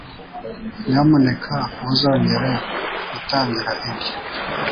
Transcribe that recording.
Nyamuneka ntuzongere gutangira ibyo.